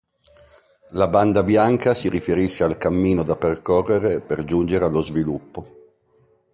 La banda bianca si riferisce al cammino da percorrere per giungere allo sviluppo.